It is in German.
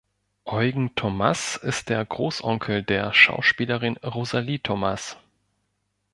Eugen Thomass ist der Großonkel der Schauspielerin Rosalie Thomass.